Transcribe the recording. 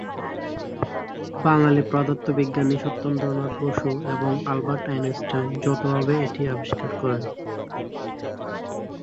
বাঙালি পদার্থবিজ্ঞানী সত্যেন্দ্রনাথ বসু এবং Albert Einstein যৌথভাবে এটি আবিষ্কার করেন।